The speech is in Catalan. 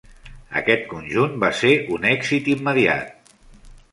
Aquest conjunt va ser un èxit immediat.